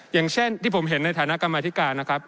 อย่างเช่นที่ผมเห็นในฐานะกรรมธิการนะครับ